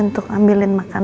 untuk ambil yang makan